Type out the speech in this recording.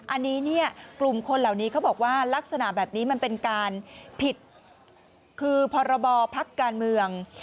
อันนี้เนี่ยกลุ่มคนเหล่านี้เขาบอกว่าลักษณะแบบนี้มันเป็นการผิดคือพรบพักการเมือง